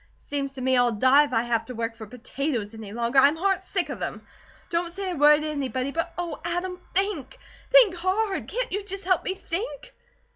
Seems to me I'll die if I have to work for potatoes any longer. I'm heart sick of them. Don't say a word to anybody, but Oh, Adam, THINK! Think HARD! Can't you just help me THINK?"